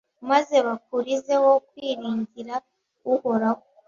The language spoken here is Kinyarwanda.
maze bakurizeho kwiringira Uhoraho